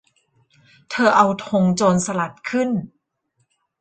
เธอเอาธงโจรสลัดขึ้น